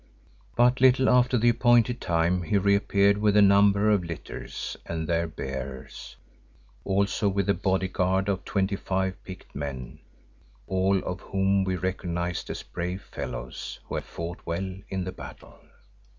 But little after the appointed time he reappeared with a number of litters and their bearers, also with a bodyguard of twenty five picked men, all of whom we recognised as brave fellows who had fought well in the battle.